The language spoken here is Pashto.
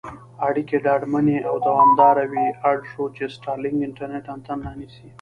اړیکې ډاډمنې او دوامدارې وي اړ شو، چې سټارلېنک انټرنېټ انتن رانیسي.